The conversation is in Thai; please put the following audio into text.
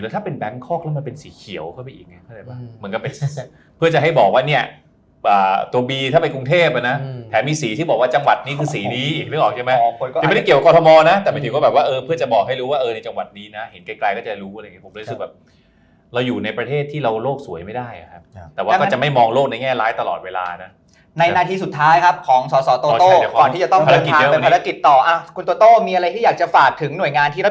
แล้วถ้าเป็นแบงค์คลอกแล้วมาเป็นสีเขียวเข้าไปอีกไงเพื่อจะให้บอกว่าเนี่ยตัวบีถ้าไปกรุงเทพฯนะแถมมีสีที่บอกว่าจังหวัดนี้คือสีนี้ไม่ได้เกี่ยวกับกอทโมนะแต่เป็นถึงว่าแบบว่าเออเพื่อจะบอกให้รู้ว่าเออในจังหวัดนี้นะเห็นไกลก็จะรู้ผมรู้สึกแบบเราอยู่ในประเทศที่เราโลกสวยไม่ได้ครับแต่ว่